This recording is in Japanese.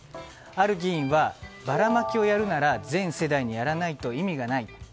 ある議員はばらまきをやるなら全世代にやらないと意味がない。